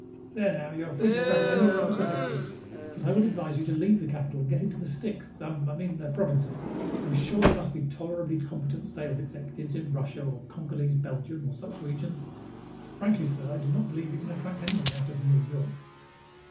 "There, now, you are free to travel anywhere in the Protectorates. But I would advise you to leave the capital and get into the sticks um, I mean the provinces. I am sure there must be tolerably competent sales executives in Russia or Congolese Belgium or such regions. Frankly, sir, I do not believe you can attract anyone out of Newer York."